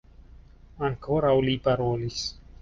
Ankoraŭ li parolis.